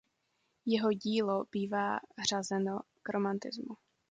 Jeho dílo bývá řazeno k romantismu.